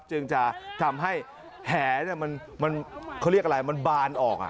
จึงจะทำให้แหมันเขาเรียกอะไรมันบานออก